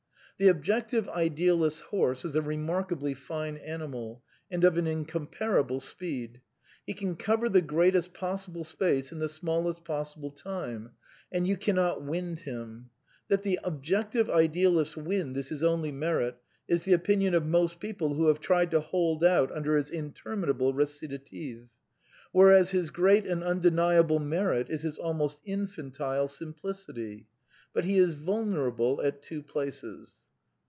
The Objective Idealist's horse is a remarkably fine animal, and of an incomparable speed. He can cover the greatest possible space in the smallest pos sible time, and you cannot ^^ wind " him. That the Ob jective Idealist's wind is his only merit is the opinion of most people who have tried to hold out under his inter minable recitative; whereas his great and undeniable merit is his almost infantile simplicity. But he is vulnerable in t;^ places.